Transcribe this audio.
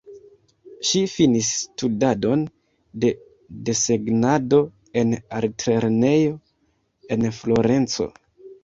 Ŝi finis studadon de desegnado en artlernejo en Florenco.